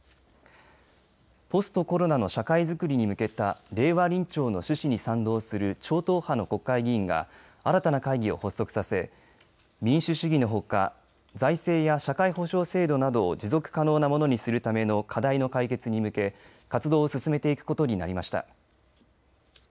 ポストコロナの社会づくりに向けた令和臨調の趣旨に賛同する超党派の国会議員が新たな会議を発足させ民主主義のほか財政や社会保障制度などを持続可能なものにするための課題の解決に向け、活動を進めていくことになりました。